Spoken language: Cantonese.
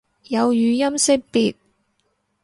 有語音識別